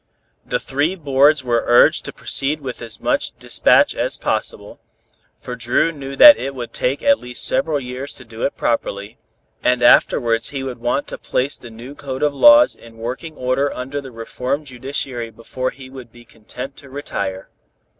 The three boards were urged to proceed with as much despatch as possible, for Dru knew that it would take at least several years to do it properly, and afterwards he would want to place the new code of laws in working order under the reformed judiciary before he would be content to retire.